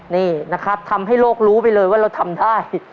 นี่นะครับทำให้โลกรู้ไปเลยว่าเราทำได้